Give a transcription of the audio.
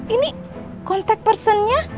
ini kontak personnya